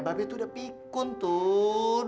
babi itu udah pikun tuh